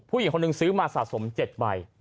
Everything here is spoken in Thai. ผู้หญิงคนหนึ่งซื้อมาสะสม๗ใบ